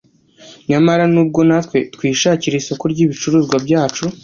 “Nyamara nubwo natwe twishakira isoko ry’ibicuruzwa byacu